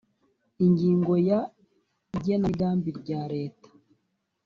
ingingo ya igenamigambi rya leta